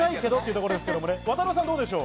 渡邊さん、どうでしょう？